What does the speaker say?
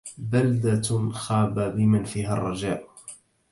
بلدة خاب بمن فيها الرجاء